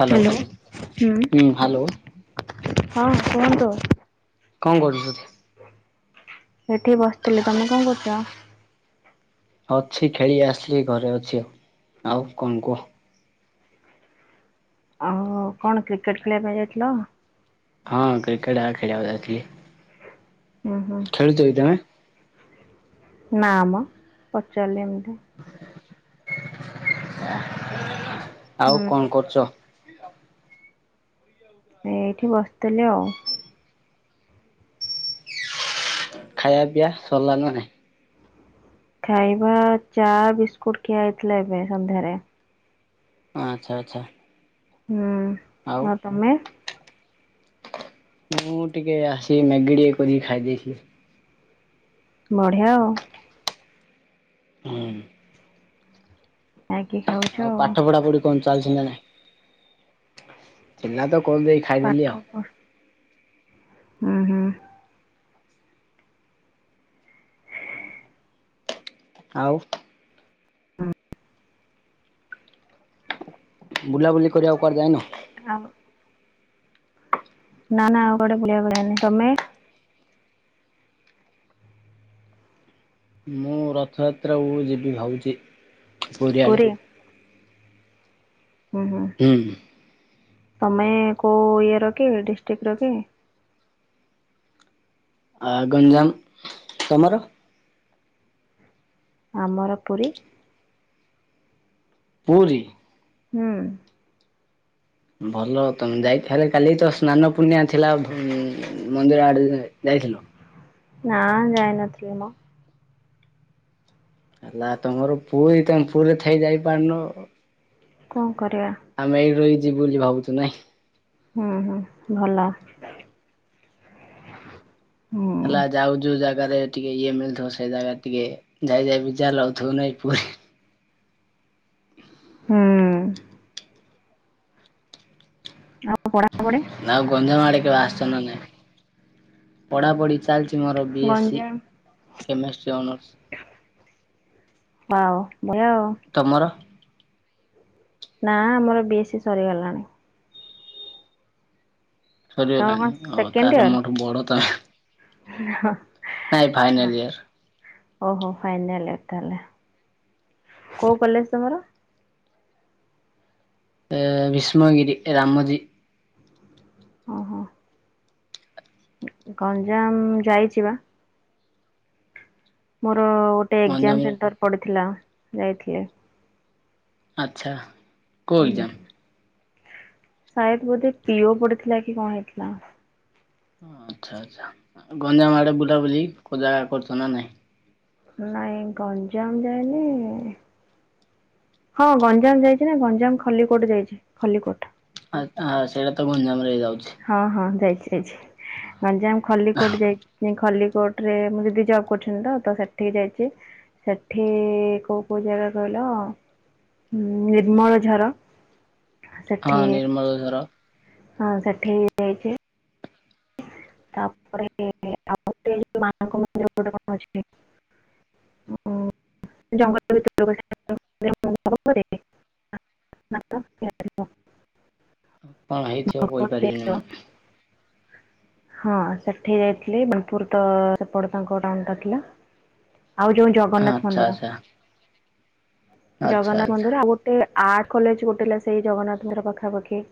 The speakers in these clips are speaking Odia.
ହାଲୋ ହ୍ୟାଲୋ ହୁଁ। ହୁଁ ହାଲୋ। ହଁ କୁହନ୍ତୁ। କଣ କରୁଚନ୍ତି? ସେଠି ବସିଥିଲି ତମେ କଣ କରୁଚ? ଅଛି ଖେଳି ଆସିଥିଲି ଘରେ ଅଛି ଆଉ କଣ କୁଅ? ଆଉ କଣ କ୍ରିକେଟ ଖେଳିବା ପାଇଁ ଯାଇଥିଲ? ହଁ କ୍ରିକେଟ୍ ଆଗ ଖେଳିବାକୁ ଯାଇଥିଲି। ହୁଁ ହୁଁ। ଖେଳୁଚ କି ତମେ? ନାମ ପଚାରିଲି ଏମିତି। ଆଉ ହୁଁ। କଣ କରୁଚ? ଏଇଠି ବସିଥିଲି ଆଉ। ଖାଇବା ପିଇବା ସରିଲା ନା ନାହିଁ? ଖାଇବା ଚା, ବିସ୍କୁଟ ଖିଆ ହେଇଥିଲା ଏବେ ସନ୍ଧ୍ୟାରେ। ଆଚ୍ଛା ଆଚ୍ଛା। ହୁଁ ଆଉ ତମେ? ମୁଁ ଟିକେ ଆସିକି ମ୍ୟାଗି ଟିକେ କରିକି ଖାଇଦେଇଥିଲି। ବଢିଆ ଆଉ। ହୁଁ। ମ୍ୟାଗି ଖାଉ ଆଉ ପାଠ ପଢା ପଢି କଣ ଚାଲିଥିଲା ନା ଥିଲା ତ କଣ ଦେଇ ପାଠକ। ହୁଁ ହୁଁ। ଆଉ। ହଁ। ବୁଲାବୁଲି କରିବାକୁ କଡ଼ ଯାଏନ? ହଉ। ନା ନା ଆଉ ଗୋଟେ ବୁଳିଆ ଭଳିଆ ନଁ ତମେ? ମୁଁ ରଥଯାତ୍ରାକୁ ଯିବି ଭାବୁଛି ପୁରୀଆଡ଼େ। ପୁରୀ? ହୁଁ ହୁଁ ତମେ କୋଉ ଇଏ ର କି ଡିଷ୍ଟ୍ରିକ୍ଟ ର କି? ଆ ଗଞ୍ଜାମ ତମର? ଆମର ପୁରୀ। ପୁରୀ! ହୁଁ। ଭଲ ତମେ ଯାଇ ହେଲେ କାଲି ତ ସ୍ନାନ ପୁର୍ଣ୍ଣିଆ ଥିଲା ମନ୍ଦିର ଆଡେ ଯାଇଥିଲ? ନାଁ ଜାଇନଥିଲମୋ। ହେଲା ତମର ପୁରୀ ତମେ ପୁରୀରେ ଥାଇ ଯାଇ ପାରୁନ। କଣ କରିବା। ଆମେ ଏଇଠି ରହିକି ଯିବୁ ବୋଲି ଭାବୁଛୁ ନାଇଁ। ହୁଁ ହୁଁ ଭଲ ହୁଁ। ହେଲା ଯାଉ ଯୋଉ ଜାଗାରେ ଟିକେ ଇଏ ମିଳିଥିବ ସେ ଜାଗାରେ ଟିକେ ଯାଇ ଯାଇ ବି ଯା ଲଉଥିବ ନାଇଁ ପୁରୀ ହୁଁ। ଆଉ [unintelligible] ନାଁ ଗୋଞଧଳମାିକ ଆସ ନନେ ପଢ଼ାପଢ଼ି ଚାଲିଛି ମୋର B S C chemistry honours. ବା ମୁୟଉ। ତମର? ନା ଆମର ବି ଏ ସି ସରିଗଲାଣି। ତମର ସରିଗଲାଣି କଣ ଆଉ ସେକେଣ୍ଡ ତାର ଇୟର ମୋଠୁ ବଡ ତ ହଁ। ନାଇଁ ଫାଇନାଲ ଇୟର। ଓହୋ ଫାଇନାଲ ତାହଲେ କୋଉ କଲେଜ ତମର? ବିଷ୍ମଗିରି ରାାମଜଜି। ଓଁ ହୋ। ଗଞ୍ଜାମ ଯାଇଛି ବା। ମୋର ଗୋଟେ ଏକ୍ଜାମ ଗଞ୍ଜାମର ସେଣ୍ଟର ପଡିଥିଲା ଯାଇଥିଲି ଆଉ। ଆଚ୍ଛା କେଉଁ ଏଗ୍ଜାମ? ସାଏଦ ବୋଧେ ପିଅ ପଡିଥିଲା କି କଣ ହେଇଥିଲା। ଆଚ୍ଛା ଆଚ୍ଛା ଗଞ୍ଜାମ ଆଡେ ବୁଲା ବୁଲିୋଉ ଜାଗା କରୁଛ ନା ନାଇଁ। ନାଇଁ ଗଞ୍ଜାମ ଯାନି। ହଁ ଗଞ୍ଜାମ ଯାଇଛି ନା ଗଞ୍ଜାମ ଖଲିକୋଟ ଯାଇଛି ଖଲିକୋଟ। ସେଇଟା ତ ଗଞ୍ଜାମରେ ହେଇଯାଉଛି। ହଁ ହଁ ଯାଇଛି ଯାଇଛି ଗଞ୍ଜାମ ଖଲ କୋଟ ଯାଇ ଖଲଲ କୋର୍ଟରେ ମୁଁ ଯଦି ଜବ୍ କରୁଛନ୍ତି ତ ତ ସେଠିକି ଯାଇଛି ସେଠି କେଉଁ କେଉଁ ଜାଗା କହିଲ? ହୁଁ ନିର୍ମଳ ଝର। ହଁ ସେଠି ନିର୍ମଳଝର ହଁ ସେଠେ ଯଛ। ତାପରେ ଆ ମାଙ୍କ ମନ୍ଦିର ଗୋଟେ କଣ ଅଛି। ଜଙ୍ଗଲ ଭିତ [unintelligible] କଣ ହେଇଥିବ ମୁଁ କହିପାରିବିନି ମୁଁ। ହଁ ସେଠି ଯାଇଥିଲି ବାଣପୁର୍ ତ ସେପଟ ତାଙ୍କ ଟାଉନ୍ ଟା ଥିଲା। ଆଉ ଯୋଉ ଜଗନ୍ନାଥ ଆଚ୍ଛା ମନ୍ଦିର ଆଚ୍ଛା। ଆଚ୍ଛା ଜଗନ୍ନାଥ ଆଚ୍ଛା ମନ୍ଦିର ଆଉ [unintelligible] ଆର୍ଟ କଲେଜ୍ ଗୋଟେ ହେଲା ସେଇ ଜଗନ୍ନାଥଙ୍କର ପାଖାପାଖି।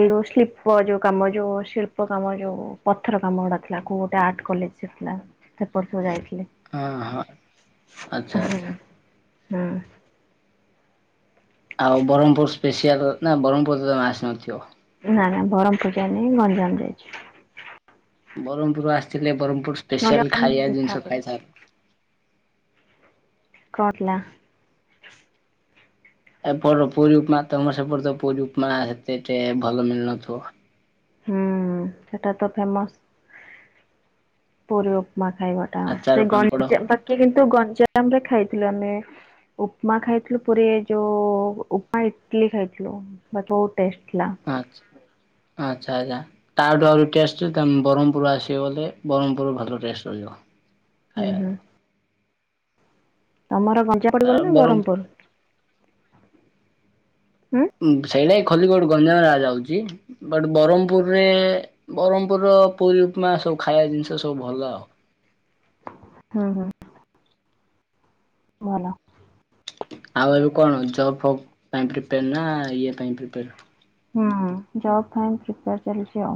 ଏଇ ଯୋଉ ଶିଳ୍ପ ଯୋଉ କାମ ଯୋଉ ଶିଳ୍ପ କାମ ଯୋଉ ପଥର କାମ ଗୁଡ଼ା ଥିଲା କୋଉ ଗୋଟେ ଆର୍ଟ କଲେଜ୍। ଥିଲା ସେପଟ ସବୁ ଯାଇଥିଲେ। ହଁ ହଁ ଆଚ୍ଛା ଆଚ୍ଛା। ହଁ। ଆଉ ବରଂପୁର୍ ସ୍ପେସିଆଲ [unintelligible] ବରଂପୁର୍ ତମେ ଆସିନଥିବ। ନା ନା ବରଂପୁର୍ ଯାଇନି ଗଞ୍ଜାମ ଯାଇଛି। ବରଂପୁର୍ ଆସିଥିଲେ ବରଂପୁର୍ ସ୍ପେଶାଲ୍ ଗଞ୍ଜାମ ଖାଇବା ଦିଥର ଜିନିଷ ଯାଇଛି। ଖାଇଥା ଗଲା। ଏପଟ ର ପୁରୀ ଉପମା ତମର ସେପଟ ତ ପୁରୀ ଉପମା ହେତେ ଟେ ଭଲ ମିଳୁନଥିବ। ହୁଁ ସେଟା ତ ଫେମସ୍। ପୁରୀ ଉପମା ଖାଇବା ଟା ଆଚାର ସେ ପାମ୍ପଡ଼ ଗଞ୍ଜାମ ପାଖେ କିନ୍ତୁ ଗଞ୍ଜାମ ରେ ଖାଇଥିଲୁ ଆମେ। ଉପୁମା ଖାଇଥିଲୁ ପୁରୀ ଯୋଉ ଉପୁମା ଇଟିଲି ଖାଇଥିଲୁ। ବହୁତ୍ ଟେଷ୍ଟ୍ ଥିଲା। ଆଚ୍ଛା ଆଚ୍ଛା ଆଚ୍ଛା। ତାଠୁ ଆହୁରି ଟେଷ୍ଟ୍ ବ୍ରହ୍ମପୁର ଆସିବ ଗଲେ ବ୍ରହ୍ମପୁର ଭଲ ଟେଷ୍ଟ୍ ରହିବ। ହୁଁ ଖାଇବା ହୁଁ। ତମର [unintelligible] ନା ଆଉ ବ୍ରହ୍ମ ବ୍ରହ୍ମପୁର? ହୁଁ। ସେଇନାଗି ଖଲ୍ଲିକୋଟ୍ ଗଞ୍ଜାମ ଯାଉଚି। ବଟ୍ ବ୍ରହ୍ମପୁରରେ ବ୍ରହ୍ମପୁର ର ପୁରୀ ଉପମା ସବୁ ଖାଇବା ଜିନିଷ ସବୁ ଭଲ ଆଉ। ହୁଁ ହୁଁ। ଭଲ ଆଉ ଏବେ କଣ ଜବ୍ ଫବ୍ ପାଇଁ ପ୍ରିପାଏରେ ନା ଇଏ ପାଇଁ ପ୍ରିପାଏରେ? ହୁଁ ଜବ୍ ପାଇଁ ପ୍ରିପେୟାର ଚାଲିଛି ଆଉ।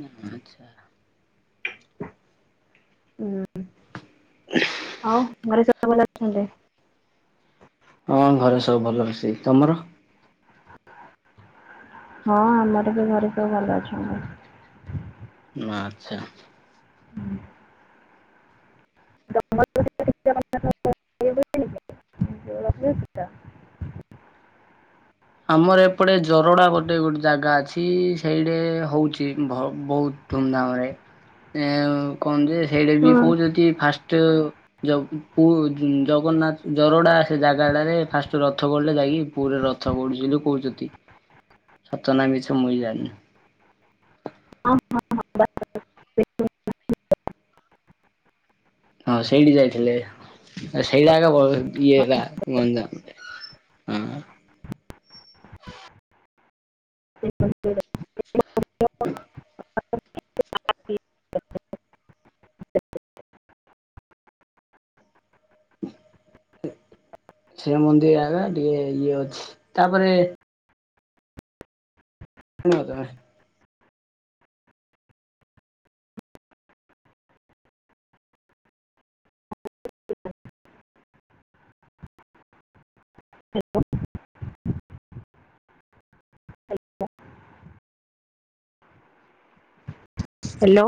ହୁଁ ଆଚ୍ଛା। ହୁଁ ଆଉ ଘରେ ସବୁ [unintelligible] ଅଛନ୍ତି। ହଁ ଘରେ ସବୁ ଭଲ ଅଛି ତମର? ହଁ ଆମର ବି ଘରେ ସବୁ ଭଲ ଅଛନ୍ତି। ଆଚ୍ଛା। ହୁଁ। [unintelligible] [unintelligible] ଆମର ଏପଟେ ଜରଡ଼ା ଗୋଟେ ଗୋଟେ ଜାଗା ଅଛି ସେଇଟେ ହଉଛି ଭ ବହୁତ୍ ଧୁମଧାମ୍ ରେ ଯେ କୁହନ୍ତି ସେଇଟା ବି କହୁଚନ୍ତି ଫାଷ୍ଟ୍ ଜ ପୁ ଜଗନ୍ନାଥ ଜରଡା ସେ ଜାଗାଟା ରେ ଫାଷ୍ଟ୍ ରଥ ଗଡି଼ଲେ ଯାଇକି ପୁରୀରେ ର ରଥ ଗଡୁ଼ଚି ବୋଲି କହୁଛନ୍ତି ସତ ନା ମିଛ ମୁଇଁ ଜାଣିନି। ହଁ ସେଇଠି ଯାଇଥିଲେ ସେଇଟା ଆଗ ଇଏ ହେଲା ଗଞ୍ଜାମ। ହୁଁ। [unintelligible] [inaudible] ହ ସେ ମନ୍ଦିର ଆଗା ଟିକେ ଇଏ ଅଛି ତାପରେ [unintelligible] [unintelligible] ହାଲୋ।